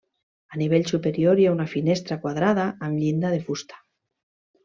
Al nivell superior hi ha una finestra quadrada amb llinda de fusta.